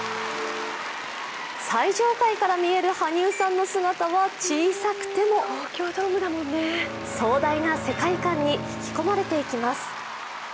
最上階から見える羽生さんの姿は小さくても壮大な世界観に引き込まれていきます。